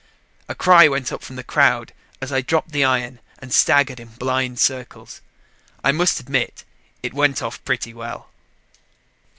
A cry went up from the crowd as I dropped the iron and staggered in blind circles. I must admit it went off pretty well.